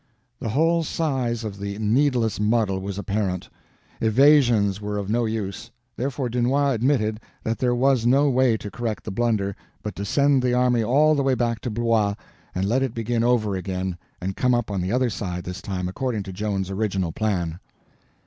The whole size of the needless muddle was apparent. Evasions were of no use; therefore Dunois admitted that there was no way to correct the blunder but to send the army all the way back to Blois, and let it begin over again and come up on the other side this time, according to Joan's original plan.